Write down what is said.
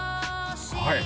はい！